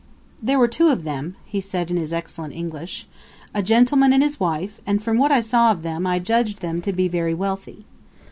"There were two of them," he said in his excellent English, "a gentleman and his wife; and from what I saw of them I judged them to be very wealthy.